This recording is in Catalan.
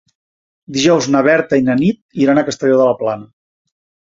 Dijous na Berta i na Nit iran a Castelló de la Plana.